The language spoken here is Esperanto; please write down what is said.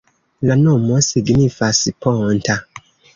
La nomo signifas: ponta.